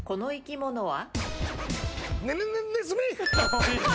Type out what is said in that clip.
この生き物は？